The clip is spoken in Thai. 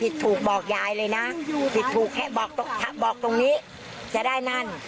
ถูกบอกยายเลยนะผิดถูกแค่บอกตรงนี้จะได้นั่น